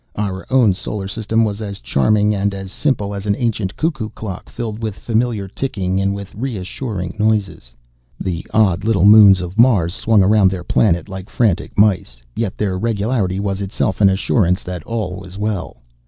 Our own solar system was as charming and as simple as an ancient cuckoo clock filled with familiar ticking and with reassuring noises. The odd little moons of Mars swung around their planet like frantic mice, yet their regularity was itself an assurance that all was well.